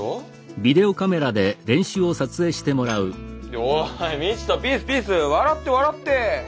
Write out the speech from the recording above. おい道人ピースピース笑って笑って。